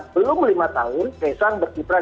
belum lima tahun ksang berkiprah